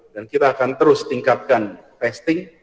dan kita akan terus tingkatkan testing